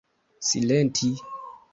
silenti